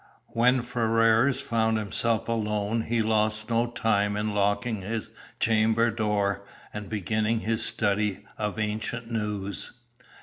When Ferrars found himself alone he lost no time in locking his chamber door and beginning his study of ancient news.